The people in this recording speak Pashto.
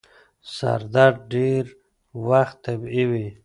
سردرد ډير وخت طبیعي وي.